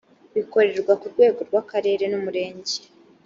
bikorerwa ku rwego rw’akarere n’umurenge